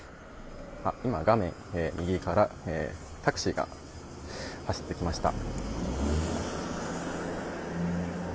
今、画面右からタクシーが走ってきました。